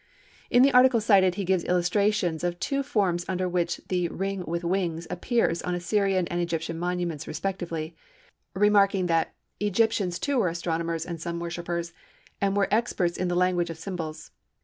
In the article cited he gives illustrations of two forms under which the "Ring with Wings" appears on Assyrian and Egyptian monuments respectively, remarking that "Egyptians too were Astronomers and Sun worshippers and were experts in the language of symbols.